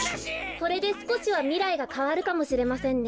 これですこしはみらいがかわるかもしれませんね。